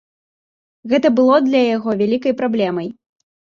Гэта было для яго вялікай праблемай.